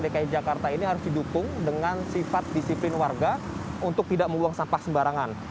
dki jakarta ini harus didukung dengan sifat disiplin warga untuk tidak membuang sampah sembarangan